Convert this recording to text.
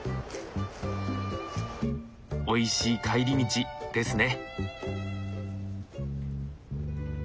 おいしい帰り道ですね。